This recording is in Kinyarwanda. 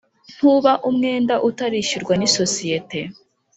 ntuba umwenda utarishyurwa n ‘isosiyete